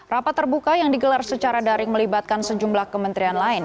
rapat terbuka yang digelar secara daring melibatkan sejumlah kementerian lain